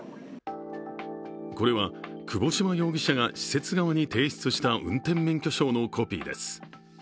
これは、窪島容疑者が施設側に提出した運転免許証のコピーです。